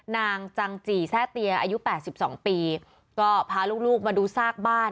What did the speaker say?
นางจังจี่แซ่เตียอายุแปดสิบสองปีก็พาลูกลูกมาดูซากบ้าน